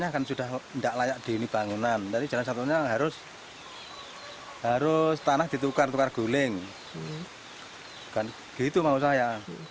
bukan begitu mau saya